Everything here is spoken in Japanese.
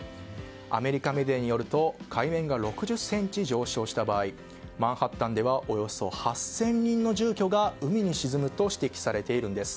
アメリカメディアによると海面が６０ｃｍ以上上昇した場合マンハッタンではおよそ８０００人の住居が海に沈むと指摘されているんです。